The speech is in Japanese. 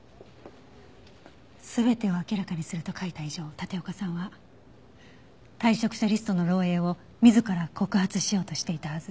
「すべてを明らかにする」と書いた以上立岡さんは退職者リストの漏洩を自ら告発しようとしていたはず。